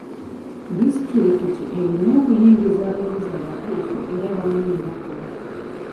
Disitulikiti erina okuyingiza abavuzi abatuufu era abamanyi bye bakola.